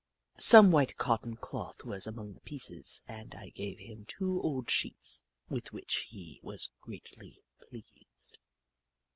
Some white cotton cloth was among the pieces, and I gave him two old sheets, with which he was greatly pleased.